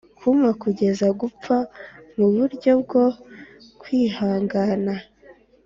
kuma kugeza gupfa muburyo bwo kwihangana